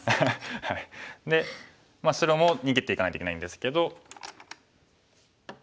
で白も逃げていかないといけないんですけど。